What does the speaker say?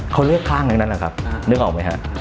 เขาเลือกข้างอย่างนั้นแหละครับนึกออกไหมครับ